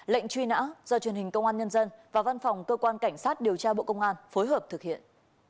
lệnh truy nã do truyền hình công an nhân dân và văn phòng cơ quan cảnh sát điều tra bộ công an phối hợp thực hiện